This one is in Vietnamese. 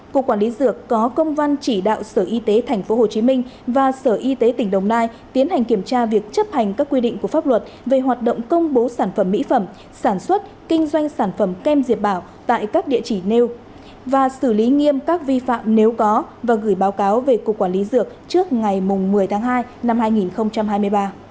cục quản lý dược có công văn chỉ đạo sở y tế tp hcm và sở y tế tỉnh đồng nai tiến hành kiểm tra việc chấp hành các quy định của pháp luật về hoạt động công bố sản phẩm mỹ phẩm sản xuất kinh doanh sản phẩm kem dược bảo tại các địa chỉ nêu và xử lý nghiêm các vi phạm nếu có và gửi báo cáo về cục quản lý dược trước ngày một mươi tháng hai năm hai nghìn hai mươi ba